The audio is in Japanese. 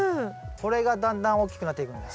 これがだんだん大きくなっていくんだよ。